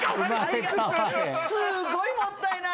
すーごいもったいない。